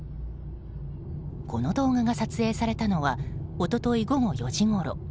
この動画が撮影されたのは一昨日午後４時ごろ。